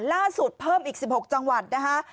เพิ่มอีก๑๖จังหวัดนะคะ